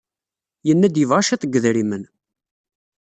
Yenna-d yebɣa cwiṭ n yedrimen.